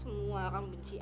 semua orang benci saya